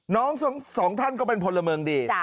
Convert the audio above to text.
สองท่านก็เป็นพลเมืองดี